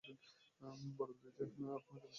পরবর্তীতে তিনি আর কোনো চলচ্চিত্রে অংশ নেননি।